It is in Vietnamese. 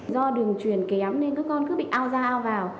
do đường truyền kém nên các con cứ bị ao ra ao vào